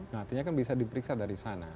nah artinya kan bisa diperiksa dari sana